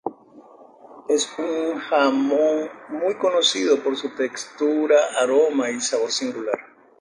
Es un jamón muy conocido por su textura, aroma y sabor singular.